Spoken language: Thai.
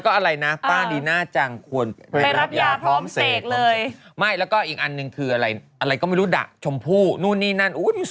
ก็ด่าทุกคนเลยนะ